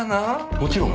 もちろん。